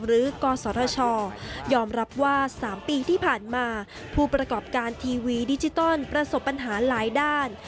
กศชยอมรับว่า๓ปีที่ผ่านมาผู้ประกอบการทีวีดิจิตอลประสบปัญหาหลายด้าน